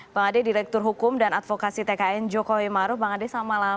bang ade direktur hukum dan advokasi tkn jokowi maruf bang ade selamat malam